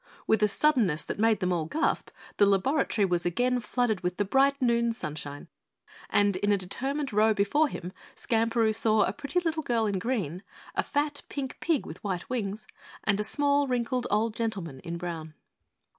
With a suddenness that made them all gasp, the laboratory was again flooded with the bright noon sunshine, and in a determined row before him Skamperoo saw a pretty little girl in green, a fat pink pig with white wings, and a small wrinkled old gentleman in brown.